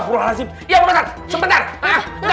seranggiti paseti ikut saya